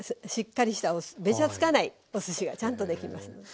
しっかりしたベチャつかないおすしがちゃんとできます。